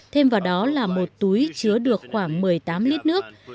thêm vào đó là một túi chứa được khoảng một mươi tám lít nước